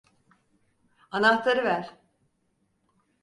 Anahtarı ver!